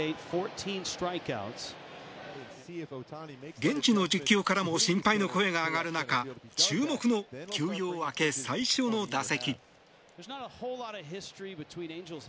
現地の実況からも心配の声が上がる中注目の休養明け最初の打席。